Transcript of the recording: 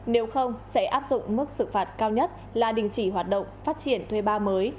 nếu không sẽ áp dụng mức sự phạt cao nhất là đình chỉ hoạt động phát triển thuê ba mới